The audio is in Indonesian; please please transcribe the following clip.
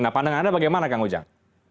nah pandangan anda bagaimana kang ujang